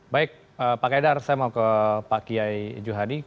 baik pak kaidar saya mau ke pak kiai juhadi